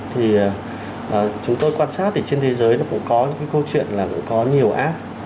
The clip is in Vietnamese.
thì chúng tôi quan sát thì trên thế giới nó cũng có những cái câu chuyện là cũng có nhiều app